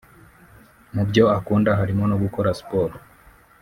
Mu byo akunda harimo no gukora siporo